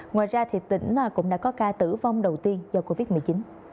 ngoài ra tỉnh cũng đã có ca tử vong đầu tiên do covid một mươi chín